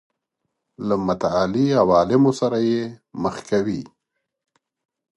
له متعالي عوالمو سره یې مخ کوي.